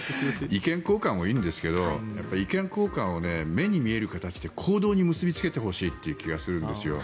意見交換もいいんですけど意見交換を目に見える形で行動に結びつけてほしいという気がするんですよ。